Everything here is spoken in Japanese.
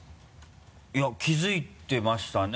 いや気づいてましたね。